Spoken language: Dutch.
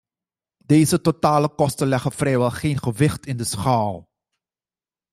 Deze totale kosten leggen vrijwel geen gewicht in de schaal.